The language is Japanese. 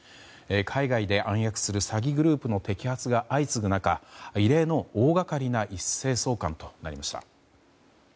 海外で暗躍する詐欺グループの摘発が相次ぐ中異例の大掛かりな一斉送還となりました。